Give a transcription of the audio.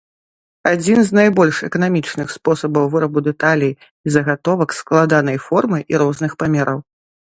Адзін з найбольш эканамічных спосабаў вырабу дэталей і загатовак складанай формы і розных памераў.